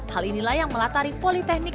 hal inilah yang melatari politeknik